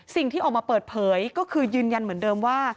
สิ่งที่ออกมาเปิดเผยก็คือยืนยันเหมือนเดิมว่า